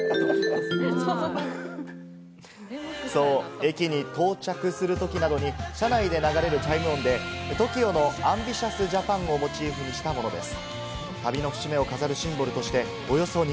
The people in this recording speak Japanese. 駅に到着するときなどに車内で流れるチャイム音で、ＴＯＫＩＯの『ＡＭＢＩＴＩＯＵＳＪＡＰＡＮ！』をモチーフにしたものです。